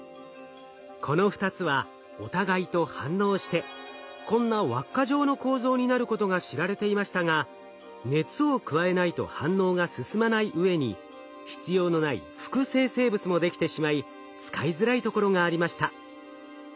この２つはお互いと反応してこんな輪っか状の構造になることが知られていましたが熱を加えないと反応が進まないうえに必要のない副生成物もできてしまい使いづらいところがありました。